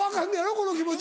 この気持ち。